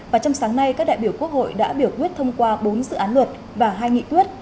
và trong sáng nay các đại biểu quốc hội đã biểu quyết thông qua bốn dự án luật và hai nghị quyết